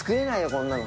こんなの。